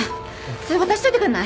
それ渡しといてくんない？